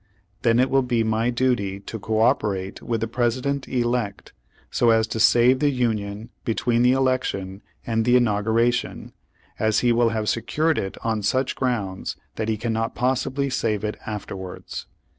Then it will be my duty to co operate with the President elect so as to save the Union between the elec tion and the inauguration, as he will have secured it on such grounds that he cannot possibly save it afterwards."